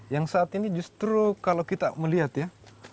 yang saat ini justru kalau kita melihat ya